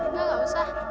nggak nggak usah